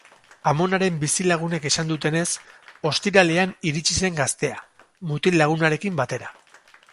Amonaren bizilagunek esan dutenez, ostiralean iritsi zen gaztea, mutil-lagunarekin batera.